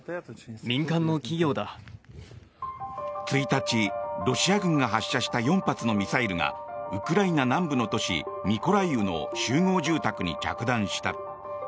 １日、ロシア軍が発射した４発のミサイルがウクライナ南部の都市ミコライウの集合住宅に着弾した。